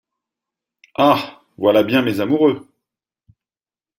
Ah ! voilà bien mes amoureux !